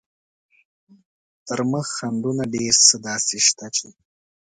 تر مخ خنډونه ډېر څه داسې شته چې.